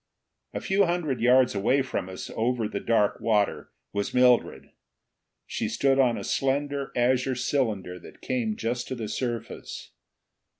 A hundred yards away from us, over the dark water, was Mildred. She stood on a slender azure cylinder that came just to the surface.